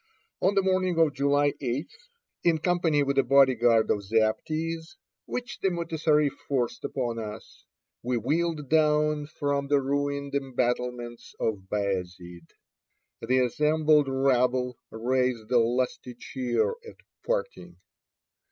On the morning of July 8, in company with a body guard of zaptiehs, which the mutessarif forced upon us, we wheeled down from the ruined embattlements of Bayazid. The assembled rabble raised a lusty cheer at parting.